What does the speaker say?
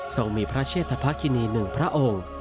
ซองมีพระเชธพคะคิณี๑พระองค์